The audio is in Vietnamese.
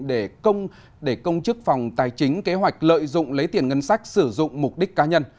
để công chức phòng tài chính kế hoạch lợi dụng lấy tiền ngân sách sử dụng mục đích cá nhân